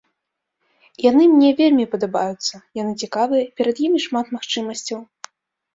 Яны мне вельмі падабаюцца, яны цікавыя і перад імі шмат магчымасцяў.